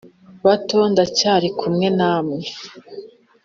bato f ndacyari kumwe namwe